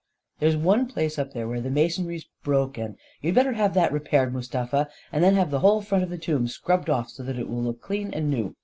44 There's one place up there where the masonry's broken. You'd better have that repaired, Mustafa, and then have the whole front of the tomb scrubbed off, so that it will look clean and new.